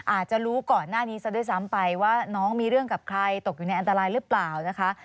อาจจะรู้ก่อนหน้านี้ซะด้วยซ้ำไปว่าน้องมีเรื่องกับใครตกอยู่ในอันตรายหรือเปล่านะคะ